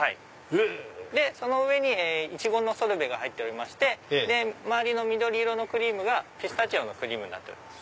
でその上にイチゴのソルベが入っておりまして周りの緑色のクリームがピスタチオのクリームです。